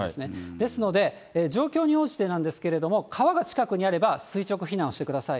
ですので、状況に応じてなんですけれども、川が近くにあれば垂直避難をしてください。